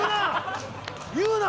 言うな！